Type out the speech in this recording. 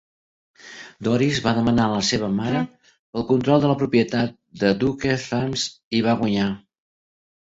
Doris va demandar la seva mare pel control de la propietat de Duke Farms i va guanyar.